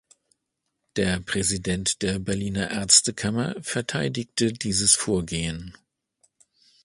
Der Präsident der Berliner Ärztekammer verteidigte dieses Vorgehen.